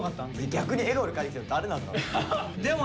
逆に笑顔で帰ってきたの誰なんだろうね。